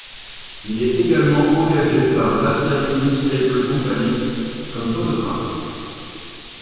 Il est également engagé par l'Asahi Newspaper Company comme photographe.